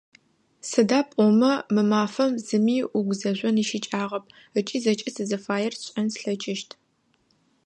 Сыда пӏомэ мы мафэм зыми угузэжъон ищыкӏагъэп ыкӏи зэкӏэ сызыфаер сшӏэн слъэкӏыщт.